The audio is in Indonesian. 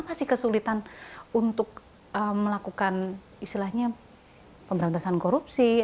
apa sih kesulitan untuk melakukan istilahnya pemberantasan korupsi